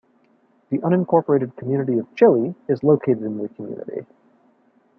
The unincorporated community of Chili is located in the community.